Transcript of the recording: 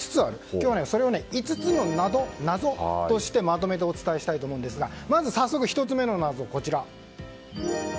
今日はそれを５つの謎としてまとめてお伝えしたいんですがまず早速１つ目の謎はこちら。